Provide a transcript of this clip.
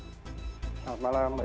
selamat malam mbak